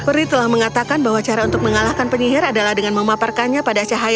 peri telah mengatakan bahwa cara untuk mengalahkan penyihir adalah dengan memaparkannya pada cahaya